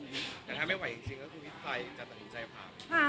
แต่ถ้าไม่ไหวจริงก็คือพิษภัยจะต้องกินใจผ่าไหม